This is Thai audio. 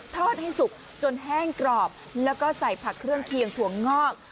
ทอดให้สุกจนแห้งกรอบแล้วก็ใส่ผักเครื่องเคียงถั่วงอก